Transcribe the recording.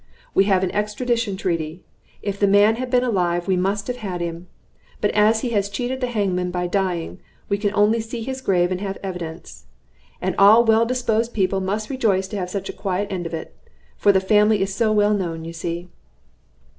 We have an extradition treaty. If the man had been alive, we must have had him. But as he has cheated the hangman by dying, we can only see his grave and have evidence. And all well disposed people must rejoice to have such a quiet end of it. For the family is so well known, you see."